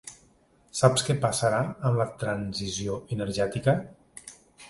Saps què passarà amb la transició energètica?